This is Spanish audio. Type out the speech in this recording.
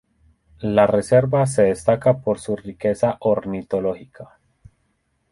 La reserva se destaca por su riqueza ornitológica.